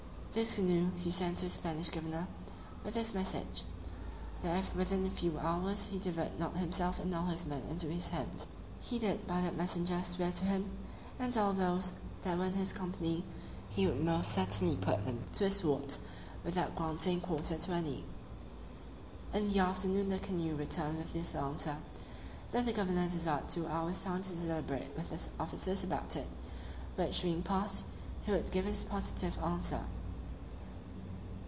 This canoe he sent to the Spanish governor, with this message: "That if within a few hours he delivered not himself and all his men into his hands, he did by that messenger swear to him, and all those that were in his company, he would most certainly put them to the sword, without granting quarter to any." In the afternoon the canoe returned with this answer: "That the governor desired two hours' time to deliberate with his officers about it, which being past, he would give his positive answer."